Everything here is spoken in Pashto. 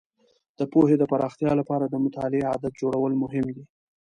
د پوهې د پراختیا لپاره د مطالعې عادت جوړول مهم دي.